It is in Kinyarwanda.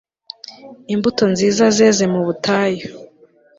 imbuto nziza zeze mu butayu